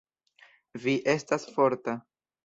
Vi estas forta.